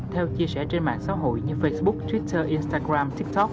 theo chia sẻ trên mạng xã hội như facebook twitter instagram tiktok